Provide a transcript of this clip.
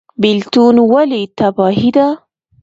بیلتون ولې تباهي ده؟